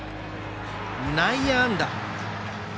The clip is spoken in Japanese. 内野安打。